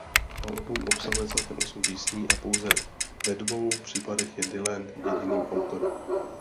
Album obsahuje celkem osm písní a pouze ve dvou případech je Dylan jediným autorem.